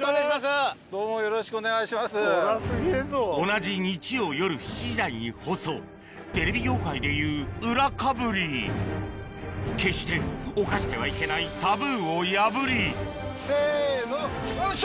同じ日曜夜７時台に放送テレビ業界でいう裏かぶり決しておかしてはいけないタブーを破りせのよいしょ！